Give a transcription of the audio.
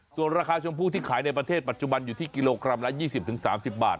ส่วนราคาชมพู่ที่ขายในประเทศปัจจุบันอยู่ที่กิโลกรัมละ๒๐๓๐บาท